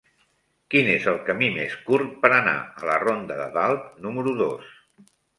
Quin és el camí més curt per anar a la ronda de Dalt número dos?